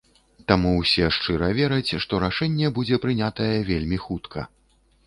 Таму ўсе шчыра вераць, што рашэнне будзе прынятае вельмі хутка.